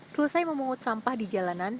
selesai memungut sampah di jalanan